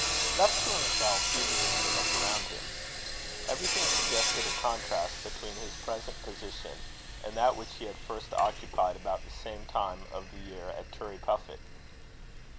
Left to himself, Hugh began to look around him. Everything suggested a contrast between his present position and that which he had first occupied about the same time of the year at Turriepuffit.